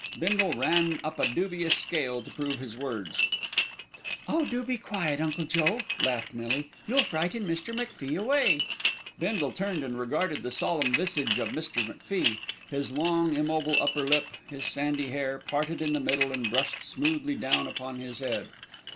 Bindle ran up a dubious scale to prove his words. "Oh! do be quiet, Uncle Joe," laughed Millie. "You'll frighten Mr. MacFie away." Bindle turned and regarded the solemn visage of Mr. MacFie; his long immobile upper lip; his sandy hair, parted in the middle and brushed smoothly down upon his head.